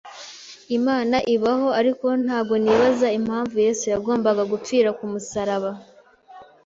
Imana ibaho ariko ntago nibazaga impamvu Yesu yagombaga gupfira ku musaraba.